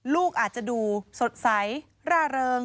ลูกอาจจะดูสดใสร่าเริง